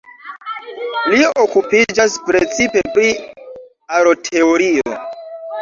Li okupiĝas precipe pri aroteorio.